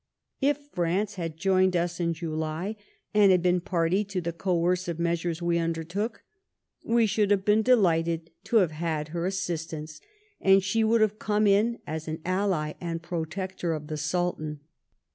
If France had joined us in July, and had been party to the coerciye measures we undertook, we should haye been delighted to have had her assistance, and she would have come in as an ally and protector of the Sultan.